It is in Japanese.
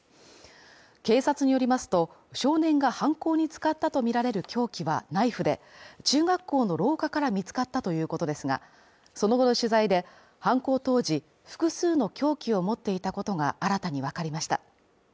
警察によりますと、少年が犯行に使ったとみられる凶器はナイフで中学校の廊下から見つかったということですがその後の取材で犯行当時、複数の凶器を持っていたことが新たにわかりました。